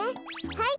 はい。